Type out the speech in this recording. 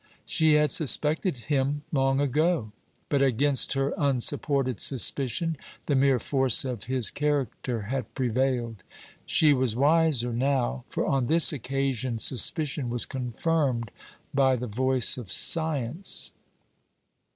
She had suspected him long ago; but against her unsupported suspicion the mere force of his character had prevailed. She was wiser now; for on this occasion suspicion was confirmed by the voice of science.